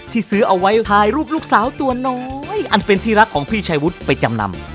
ซื้อเอาไว้ถ่ายรูปลูกสาวตัวน้อยอันเป็นที่รักของพี่ชายวุฒิไปจำนำ